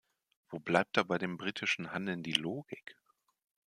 Wo bleibt da bei dem britischen Handeln die Logik?